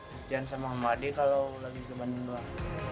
latihan sama omade kalau lagi ke bandung lah